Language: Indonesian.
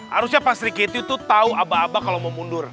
harusnya pak sri kiti tuh tahu abah abah kalau mau mundur